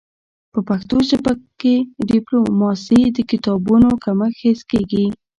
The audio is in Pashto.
په پښتو ژبه کي د ډيپلوماسی د کتابونو کمښت حس کيږي.